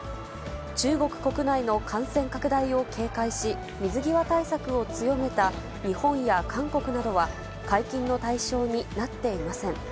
中国国内の感染拡大を警戒し、水際対策を強めた日本や韓国などは、解禁の対象になっていません。